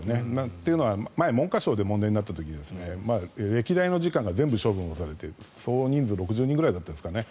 というのは前に文科省で問題になった時には歴代の次官が全部処分をされて総人数６０人くらいだったんですかね